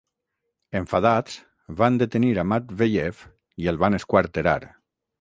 Enfadats, van detenir a Matveyev i el van esquarterar.